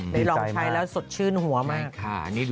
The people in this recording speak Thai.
ได้ลองใช้แล้วสดชื่นหัวมาก